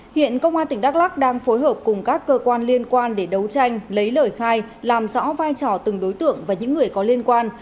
hiện công an tỉnh đắk lắc đang phối hợp cùng các cơ quan liên quan để đấu tranh lấy lời khai làm rõ vai trò từng đối tượng và những người có liên quan